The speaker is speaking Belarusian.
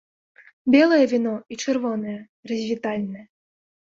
Белае віно і чырвонае, развітальнае.